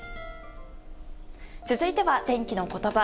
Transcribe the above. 続いては天気のことば。